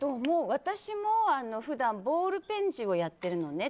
私も普段ボールペン字をやってるのね。